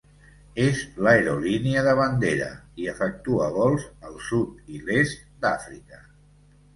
És l'aerolínia de bandera i efectua vols al sud i l'est d'Àfrica.